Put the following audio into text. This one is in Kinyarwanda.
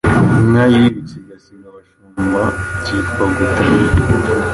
Inka yirutse igasiga abashumba byitwa Gutana